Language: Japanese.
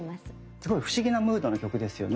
すごい不思議なムードの曲ですよね。